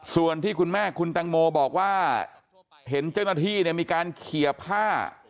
ส่วนที่คุณแม่คุณตังโมบอกว่าเห็นเจ้าหน้าที่มีการเคลียร์ผ้า